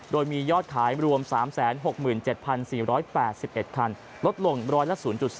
โดยมียอดขายรวม๓๖๗๔๘๑คันลดลงร้อยละ๐๔